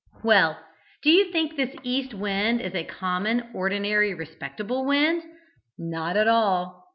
Well, do you think this east wind is a common, ordinary, respectable wind? Not at all.